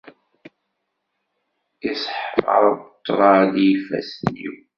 Isseḥfaḍ ṭṭrad i yifassen-iw.